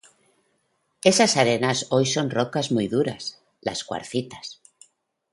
Esas arenas hoy son rocas muy duras, las cuarcitas.